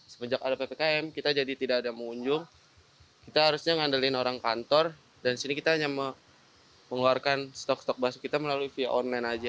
semenjak ada ppkm kita jadi tidak ada mengunjung kita harusnya ngandelin orang kantor dan sini kita hanya mengeluarkan stok stok bakso kita melalui via online aja